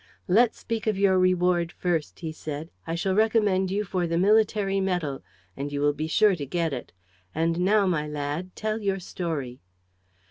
"Let's speak of your reward first," he said. "I shall recommend you for the military medal; and you will be sure to get it. And now, my lad, tell your story."